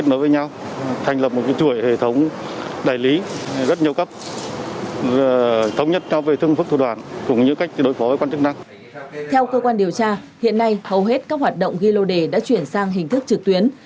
theo cơ quan điều tra hiện nay hầu hết các hoạt động ghi lô đề đã chuyển sang hình thức trực tuyến